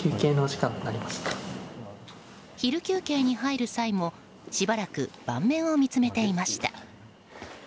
昼休憩に入る際もしばらく盤面を見つめていました。